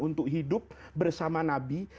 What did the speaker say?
untuk hidup bersama nabi